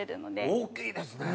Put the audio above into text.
大きいですね。